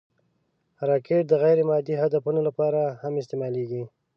راکټ د غیر مادي هدفونو لپاره هم استعمالېږي